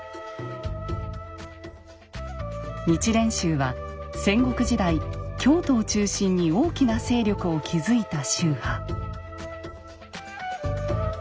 日蓮宗は戦国時代京都を中心に大きな勢力を築いた宗派。